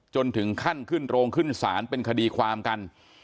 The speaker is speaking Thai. จนถึงขั้นขึ้นโรงขึ้นศาลเป็นคดีความกัน